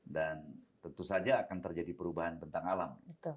dan tentu saja akan terjadi perubahan bentang alam